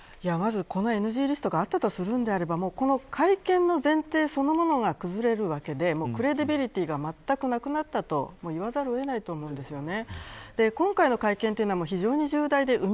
ＮＧリストがあったとするのであればこの会見の前提そのものが崩れるわけでクレディリビティがまったくなくなったと言わざるを得ないと思うんですよね。